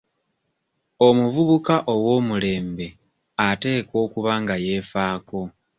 Omuvubuka ow'omulembe ateekwa okuba nga yeefaako.